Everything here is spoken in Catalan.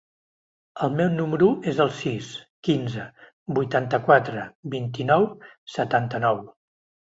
El meu número es el sis, quinze, vuitanta-quatre, vint-i-nou, setanta-nou.